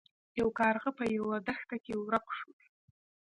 یو کارغه په یوه دښته کې ورک شو.